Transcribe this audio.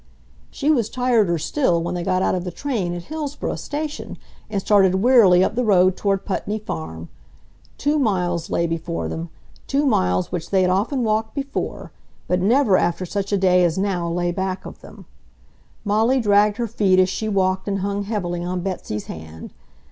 She was tireder still when they got out of the train at Hillsboro Station and started wearily up the road toward Putney Farm. Two miles lay before them, two miles which they had often walked before, but never after such a day as now lay back of them. Molly dragged her feet as she walked and hung heavily on Betsy's hand.